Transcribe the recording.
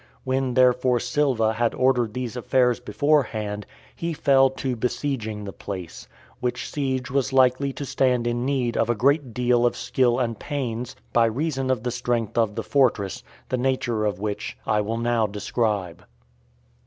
When therefore Silva had ordered these affairs beforehand, he fell to besieging the place; which siege was likely to stand in need of a great deal of skill and pains, by reason of the strength of the fortress, the nature of which I will now describe.